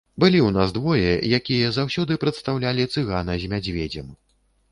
Былі ў нас двое, якія заўсёды прадстаўлялі цыгана з мядзведзем.